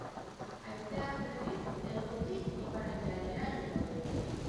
Haizeak, berriz, hegotik ipar-ekialdera egingo du.